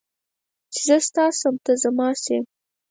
چې زه ستا شم ته زما شې